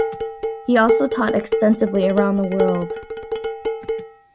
He also taught extensively around the world.